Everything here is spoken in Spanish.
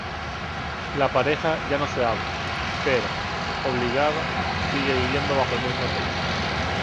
La pareja ya no se habla, pero, obligada, sigue viviendo bajo el mismo techo.